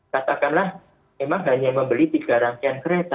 katakanlah memang hanya membeli tiga rangkaian kereta